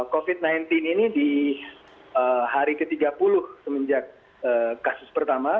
covid sembilan belas ini di hari ke tiga puluh semenjak kasus pertama